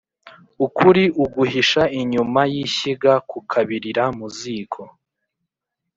Ukuri uguhisha inyuma y’ishyiga kukabirira mu ziko